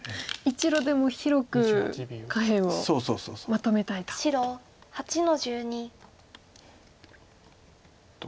１路でも広く下辺をまとめたいと。